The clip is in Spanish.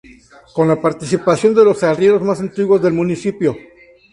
Con la participación de los arrieros más antiguos del municipio.